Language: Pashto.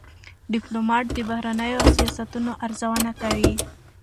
ډيپلومات د بهرنیو سیاستونو ارزونه کوي.